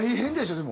でも。